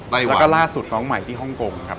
แล้วก็ล่าสุดของอังกฤษที่ฮ่องกงครับ